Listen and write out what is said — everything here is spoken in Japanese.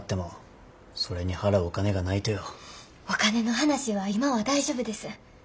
お金の話は今は大丈夫です。